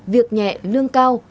việc nhẹ lương cao